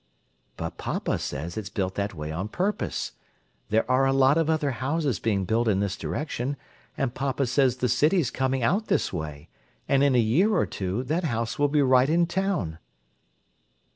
"But papa says it's built that way on purpose. There are a lot of other houses being built in this direction, and papa says the city's coming out this way; and in a year or two that house will be right in town."